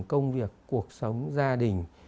công việc cuộc sống gia đình